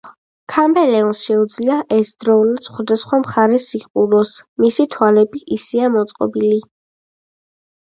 ქამელეონს შეუძლია ერთდროულად სხვადასხვა მხარეს იყუროს, მისი თვალები ისეა მოწყობილი.